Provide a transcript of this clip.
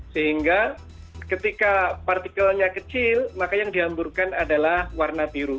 sehingga ketika partikelnya kecil maka yang dihamburkan adalah warna biru